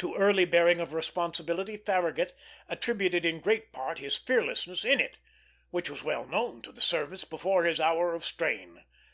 To early bearing of responsibility Farragut attributed in great part his fearlessness in it, which was well known to the service before his hour of strain.